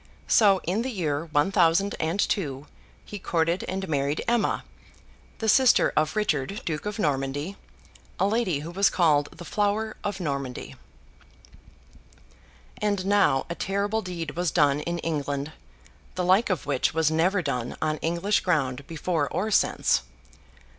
So, in the year one thousand and two, he courted and married Emma, the sister of Richard Duke of Normandy; a lady who was called the Flower of Normandy. And now, a terrible deed was done in England, the like of which was never done on English ground before or since.